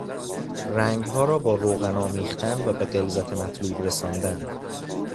رنگها را با روغن آمیختن و به غلظت مطلوب رساندن